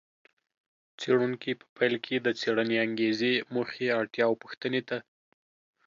څېړونکي په پیل کې د څېړنې انګېزې، موخې، اړتیا او پوښتنې ته